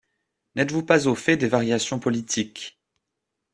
N'êtes-vous pas au fait des variations politiques.